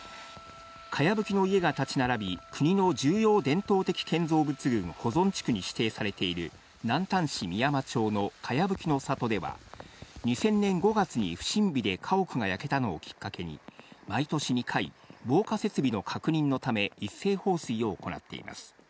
かやぶきの家が建ち並び、国の重要伝統的建造物群保存地区に指定されている、南丹市美山町のかやぶきの里では、２０００年５月に不審火で家屋が焼けたのをきっかけに、毎年２回、防火設備の確認のため、一斉放水を行っています。